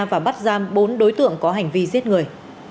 và bắt giam bốn đối tượng có hành vi giết người